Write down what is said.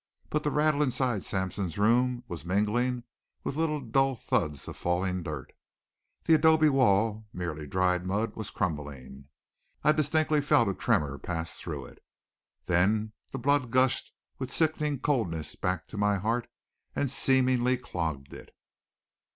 But the rattle inside Sampson's room was mingling with little dull thuds of falling dirt. The adobe wall, merely dried mud was crumbling. I distinctly felt a tremor pass through it. Then the blood gushed with sickening coldness back to my heart and seemingly clogged it.